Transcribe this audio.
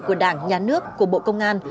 của đảng nhà nước của bộ công an